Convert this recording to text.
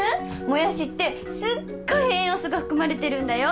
モヤシってすっごい栄養素が含まれてるんだよ。